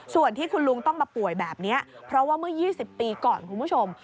ส่วนที่คุณลุงต้องมาป่วยแบบนี้เพราะว่าเมื่อ๒๐ปีก่อนคุณผู้ชม